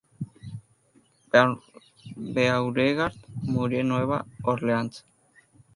P. G. T. Beauregard murió en Nueva Orleans.